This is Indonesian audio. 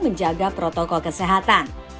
menjaga protokol kesehatan